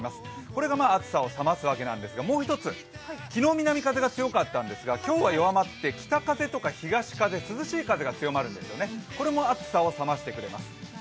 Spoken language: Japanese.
これが暑さを冷ますわけなんですがもう一つ、昨日、南風が強かったんですが、今日は弱まって、東風、涼しい風が強まるんですよねこれも暑さを冷ましてくれます。